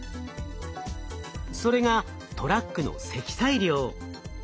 それがトラックの積載量。